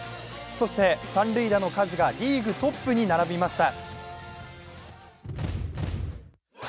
そして、三塁打の数がリーグトップに並びました。